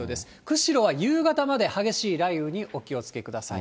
釧路は夕方まで激しい雷雨にお気をつけください。